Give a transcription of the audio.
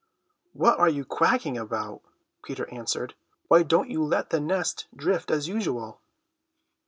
"What are you quacking about?" Peter answered. "Why don't you let the nest drift as usual?"